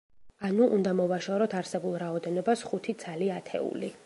ანუ, უნდა მოვაშოროთ არსებულ რაოდენობას ხუთი ცალი ათეული.